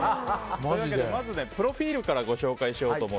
まずプロフィールからご紹介します。